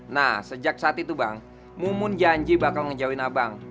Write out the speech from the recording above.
nah sejak saat itu bang mumun janji bakal ngejauin abang